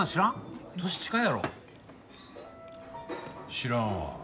知らんわ。